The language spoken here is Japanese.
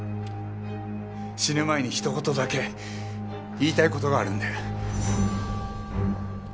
死ぬ前にひと言だけ言いたい事があるので。